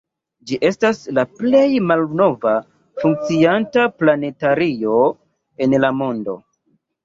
Ĝi estas la plej malnova funkcianta planetario en la mondo.